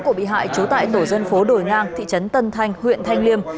của bị hại trú tại tổ dân phố đồi ngang thị trấn tân thanh huyện thanh liêm